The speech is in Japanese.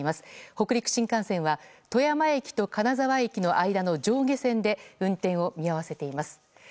北陸新幹線は富山駅と金沢駅の間の上下線で運転を見合わせています。